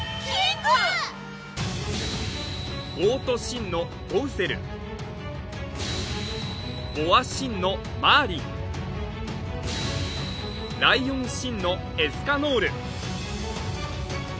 ゴート・シンのゴウセルボア・シンのマーリンライオン・シンのエスカノール